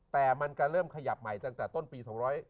แต่มันจะเริ่มขยับใหม่ตั้งแต่ต้นปี๒๕๖